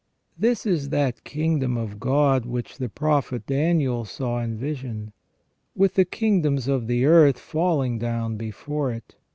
This is that kingdom of God which the Prophet Daniel saw in vision, with the kingdoms of the earth falling down before it.